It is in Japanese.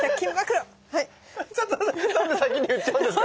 ちょっとなんで先に言っちゃうんですか？